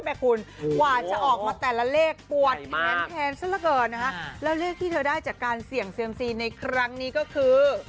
แม่คุณกว่าจะออกมาแต่ละเลขปวดแขนแทนซะละเกินนะคะแล้วเลขที่เธอได้จากการเสี่ยงเซียมซีในครั้งนี้ก็คือ